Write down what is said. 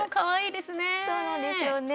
そうなんですよね。